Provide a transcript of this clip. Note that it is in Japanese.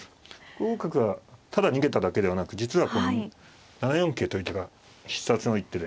５五角はただ逃げただけではなく実はこの７四桂という手が必殺の一手で。